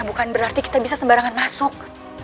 bukan berarti kita bisa sembarangan masuk